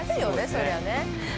そりゃね。